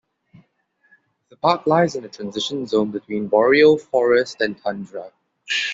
The park lies in a transition zone between boreal forest and tundra.